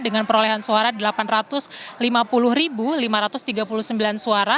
dengan perolehan suara delapan ratus lima puluh lima ratus tiga puluh sembilan suara